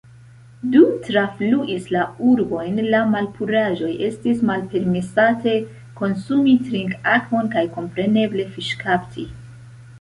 Dum trafluis la urbojn la malpuraĵo, estis malpermesate konsumi trinkakvon kaj kompreneble fiŝkapti.